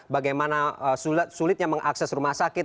bagaimana sulitnya mengakses rumah sakit